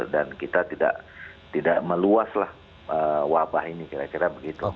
dan kita tidak meluas lah wabah ini kira kira begitu